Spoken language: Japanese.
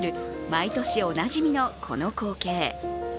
毎年おなじみの、この光景。